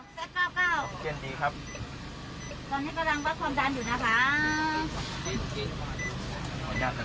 ตอนนี้กำลังว่าความดันอยู่นะครับ